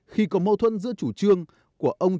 khi có mâu thuẫn giữa chủ trương của ông trong lĩnh vực